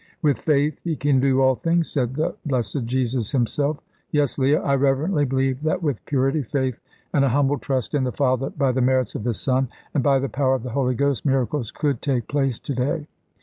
'With faith ye can do all things,' said the blessed Jesus Himself. Yes, Leah, I reverently believe that with purity, faith, and a humble trust in the Father by the merits of the Son, and by the power of the Holy Ghost, miracles could take place to day."